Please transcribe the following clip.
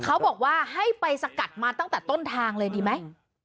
เขาบอกว่าให้ไปสกัดมาตั้งแต่ต้นทางเลยดีไหม